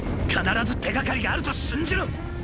必ず手がかりがあると信じろ！！